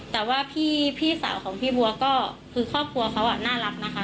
แต่ว่าพี่สาวของพี่บัวก็คือครอบครัวเขาน่ารักนะคะ